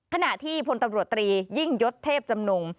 ขณะที่พลตำรวจตรียิ่งยศเทพจำนง